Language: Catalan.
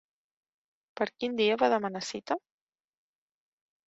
Per quin dia va demanar cita?